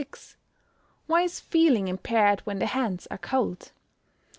_Why is feeling impaired when the hands are cold?